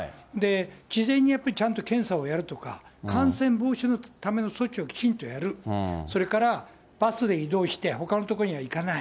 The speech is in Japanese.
事前にやっぱり、ちゃんと検査をやるとか、感染防止のための措置をきちんとやる、それからバスで移動して、ほかのところには行かない。